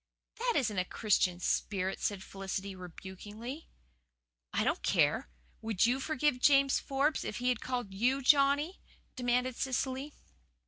"That isn't a Christian spirit," said Felicity rebukingly. "I don't care. Would YOU forgive James Forbes if he had called YOU Johnny?" demanded Cecily.